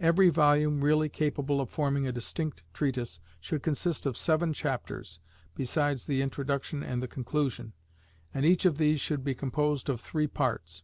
"Every volume really capable of forming a distinct treatise" should consist of "seven chapters, besides the introduction and the conclusion; and each of these should be composed of three parts."